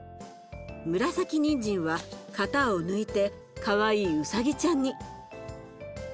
紫にんじんは型を抜いてかわいいうさぎちゃんに。